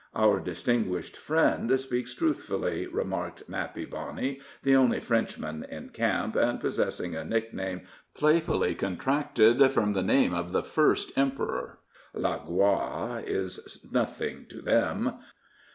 "Our distinguished friend, speaks truthfully," remarked Nappy Boney, the only Frenchman in camp, and possessing a nickname playfully contracted from the name of the first emperor. "La gloire is nothing to them.